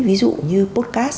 ví dụ như podcast